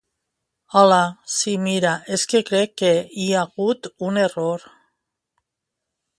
Hola, si mira, es que crec que hi hagut un error.